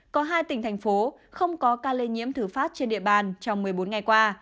có hai tỉnh thành phố không có ca lây nhiễm thử phát trên địa bàn trong một mươi bốn ngày qua